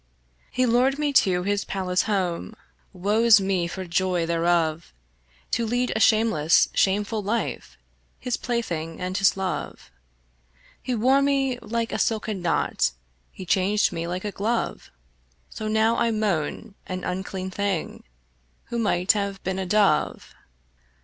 He lured me to his palace home Woe's me for joy thereof To lead a shameless shameful life, His plaything and his love. He wore me like a silken knot, He changed me like a glove; So now I moan, an unclean thing, Who might have been a dove.